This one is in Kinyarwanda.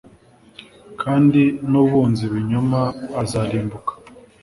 kandi n'ubunza ibinyoma azarimbuka